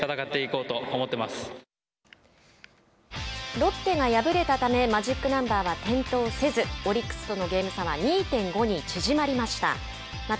ロッテが敗れたためマジックナンバーは点灯せずオリックスとのゲーム差は２．５に縮まりました。